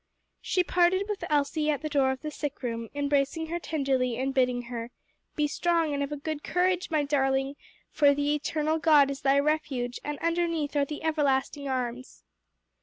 She parted with Elsie at the door of the sick room, embracing her tenderly and bidding her "'Be strong and of a good courage,' my darling, for 'the eternal God is thy refuge, and underneath are the everlasting arms.'"